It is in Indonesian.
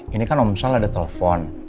ini kan omset ada telepon